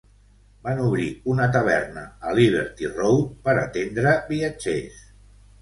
Van obrir una taverna a Liberty Road per atendre viatgers.